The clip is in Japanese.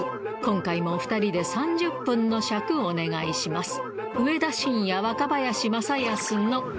今回もお２人で３０分の尺お願いします